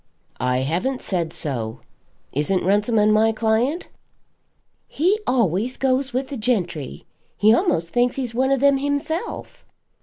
"I haven't said so. Isn't Runciman my client?" "He always goes with the gentry. He a'most thinks he's one of them himself."